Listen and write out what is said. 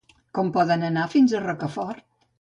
Com podem anar fins a Rocafort?